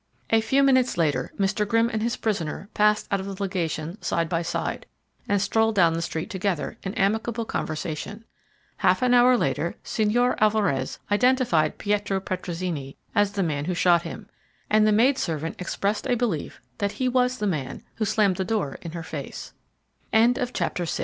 A few minutes later Mr. Grimm and his prisoner passed out of the legation side by side, and strolled down the street together, in amicable conversation. Half an hour later Señor Alvarez identified Pietro Petrozinni as the man who shot him; and the maid servant expressed a belief that he was the man who sl